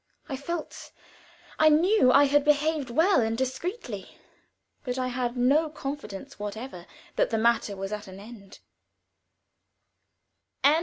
I felt, I knew I had behaved well and discreetly, but I had no confidence whatever that the matter was at an end.